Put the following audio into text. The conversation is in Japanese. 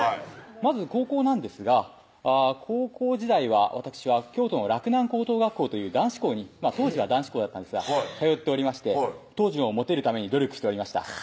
まず高校なんですが高校時代はわたくしは京都の洛南高等学校という男子校に当時は男子校だったんですが通っておりまして当時もモテるために努力しておりました